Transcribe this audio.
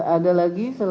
ada lagi seperti